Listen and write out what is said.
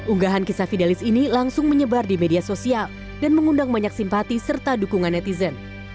unggahan kisah fidelis ini langsung menyebar di media sosial dan mengundang banyak simpati serta dukungan netizen